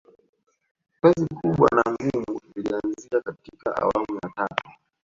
kazi kubwa na ngumu ilianzia katika awamu ya tatu